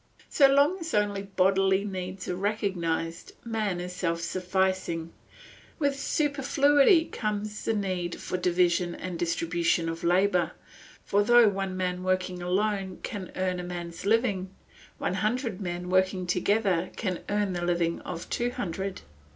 So long as only bodily needs are recognised man is self sufficing; with superfluity comes the need for division and distribution of labour, for though one man working alone can earn a man's living, one hundred men working together can earn the living of two hundred.